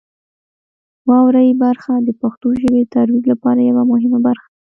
واورئ برخه د پښتو ژبې د ترویج لپاره یوه مهمه برخه ده.